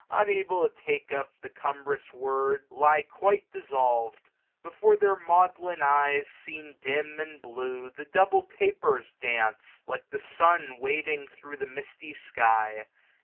Unable to take up the cumbrous word. Lie quite dissolved. Before their maudlin eyes. Seen dim, and blue, the double tapers dance, SSS Like the sun wading thro* the misty sky.